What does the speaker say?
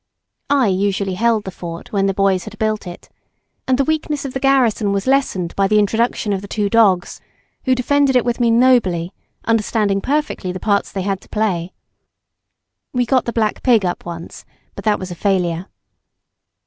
I usually held the fort when the boys had built it, and the weakness of the garrison was lessened by the introduction of the two dogs, who defended it with me nobly, understanding perfectly the parts they had to play. We got the black pig up once, but that was a failure.